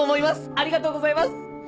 ありがとうございます！